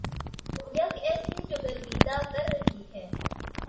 یک ایسی جو گرویدہ کر رہی ہے